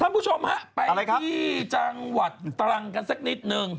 คุณผู้ชมฮะไปที่จังหวัดตรังกันสักนิดนึง